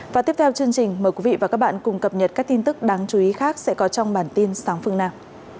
và tiếp theo chương trình mời quý vị và các bạn cùng cập nhật các tin tức đáng chú ý khác sẽ có trong bản tin sáng phương nam